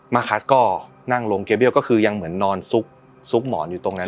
คัสก็นั่งลงเกียร์เบี้ยก็คือยังเหมือนนอนซุกซุกหมอนอยู่ตรงนั้น